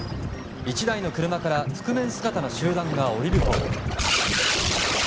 １台の車から覆面姿の集団が降りると。